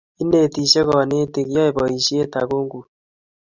Inetisie konetik, yoei boisiet takungut